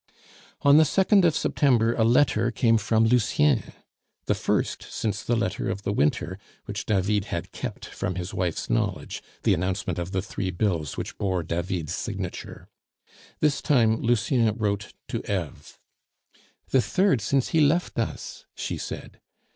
On the 2nd of September, a letter came from Lucien, the first since the letter of the winter, which David had kept from his wife's knowledge the announcement of the three bills which bore David's signature. This time Lucien wrote to Eve. "The third since he left us!" she said.